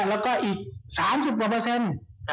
แล้วก็อีก๓๐กว่าเปอร์เซ็นต์